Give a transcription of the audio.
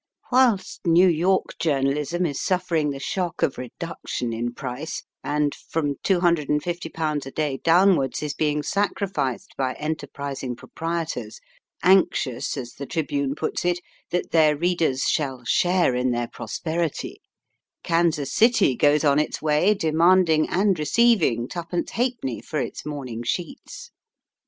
"Whilst New York journalism is suffering the shock of reduction in price, and from £250 a day downwards is being sacrificed by enterprising proprietors anxious, as the Tribune puts it, that their readers shall share in their pros perity, Kansas City goes on its way demanding and receiving twopence halfpenny for its morn ing sheets.